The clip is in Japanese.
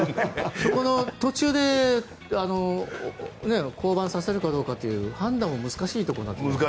そこの途中で降板させるかどうかっていう判断も難しいところになってきますね。